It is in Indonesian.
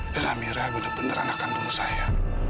dan amira benar benar anak kandung saya